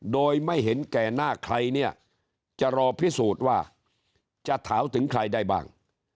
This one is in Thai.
โดยไม่เห็นแก่หน้าใครเนี่ยจะรอพิสูจน์ว่าจะถามถึงใครได้บ้าง